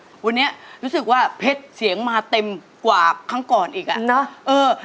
วันนี้รู้สึกว่าเพชรเสียงมาเต็มกว่าครั้งก่อนอีกอ่ะเนอะเออ